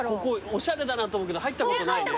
おしゃれだなと思うけど入ったことないね。